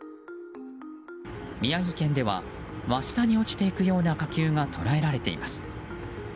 宮城県では真下に落ちていくような火球が捉えられています。